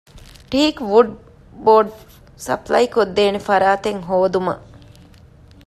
ޓީކް ވުޑް ބޯޑް ސަޕްލައިކޮށްދޭނެ ފަރާތެއް ހޯދުމަށް